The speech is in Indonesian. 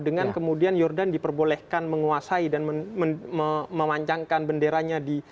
dengan kemudian jordan diperbolehkan menguasai dan memancangkan benderanya di